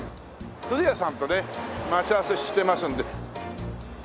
古谷さんとね待ち合わせしてますので。